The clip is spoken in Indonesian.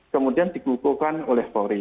kemudian digugurkan oleh pori